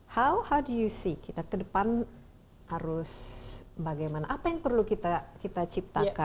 how do you see kita kedepan harus bagaimana apa yang perlu kita ciptakan